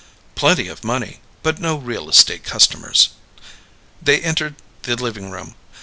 "Plenty of money, but no real estate customers." They entered the living room.